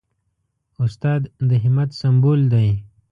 استاد د همت سمبول دی.